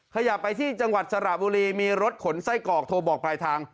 ขยับไปที่จังหวัดสระบุรีมีรถขนไส้กรอกโทรบอกปลายทาง